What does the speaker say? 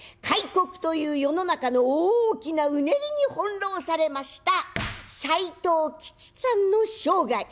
開国という世の中の大きなうねりに翻弄されました斎藤きちさんの生涯。